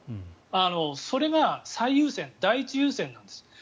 それが最優先、第１優先です。